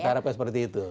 kita harapkan seperti itu